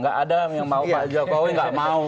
gak ada yang mau pak jokowi nggak mau